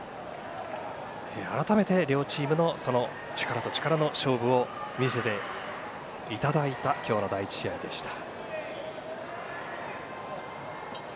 改めて両チームの力と力の勝負を見せていただいた今日の第１試合でした。